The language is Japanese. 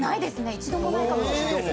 一度もないかもしれない。